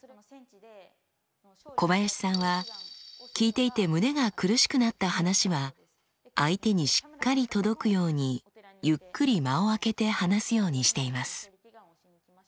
小林さんは聞いていて胸が苦しくなった話は相手にしっかり届くようにゆっくり間をあけて話すようにしています。